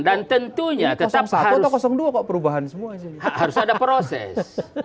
dan tentunya tetap harus ada proses